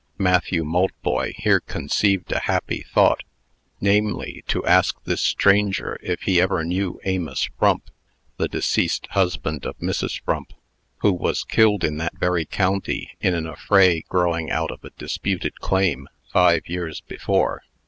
Matthew Maltboy here conceived a happy thought, namely, to ask this stranger if he ever knew Amos Frump (the deceased husband of Mrs. Frump), who was killed in that very county in an affray growing out of a disputed claim, five years before.